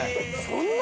そんな？